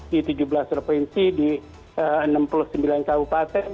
di tujuh belas provinsi di enam puluh sembilan kabupaten